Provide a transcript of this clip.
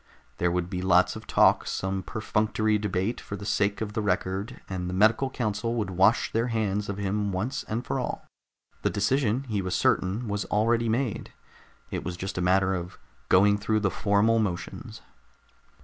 There would be lots of talk, some perfunctory debate for the sake of the record, and the medical council would wash their hands of him once and for all. The decision, he was certain, was already made. It was just a matter of going through the formal motions.